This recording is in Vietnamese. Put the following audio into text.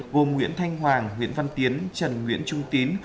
gồm nguyễn thanh hoàng nguyễn văn tiến trần nguyễn trung tín